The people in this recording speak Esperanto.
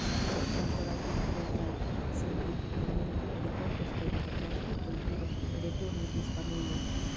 Ankoraŭ du tagoj kaj, se li ne renkontos teron, la ŝipoj iros returne Hispanujon.